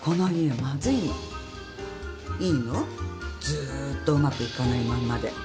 ずっとうまくいかないまんまで。